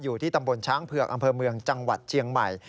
อยู่ที่ตำบลช้างเผือกอำเภอเมืองจังหวัดเชียงใหม่